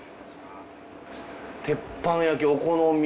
鉄板焼きお好み。